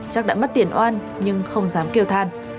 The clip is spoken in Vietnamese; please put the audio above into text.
chắc đã mất tiền oan nhưng không dám kêu than